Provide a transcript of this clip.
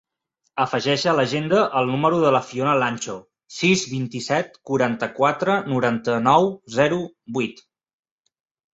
Afegeix a l'agenda el número de la Fiona Lancho: sis, vint-i-set, quaranta-quatre, noranta-nou, zero, vuit.